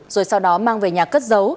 rồi sau đó mang về nhà cất giấu